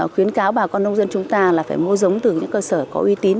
khuyến cáo bà con nông dân chúng ta là phải mua giống từ những cơ sở có uy tín